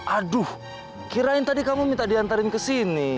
aduh kirain tadi kamu minta dianterin kesini